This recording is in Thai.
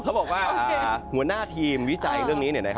เค้าบอกว่าหัวหน้าทีมวิจัยเรื่องนี้